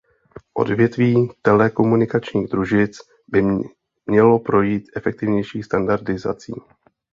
Odvětví telekomunikačních družic by mělo projít efektivnější standardizací.